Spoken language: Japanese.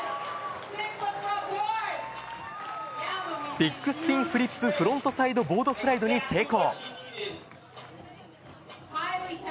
ビックスピンフリップフロントサイドボードスライドに成功。